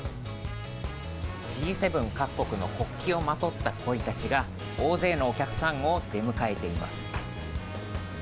Ｇ７各国の国旗をまとったコイたちが大勢のお客さんを出迎えています。